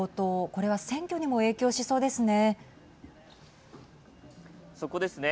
これは選挙にも影響しそうですね。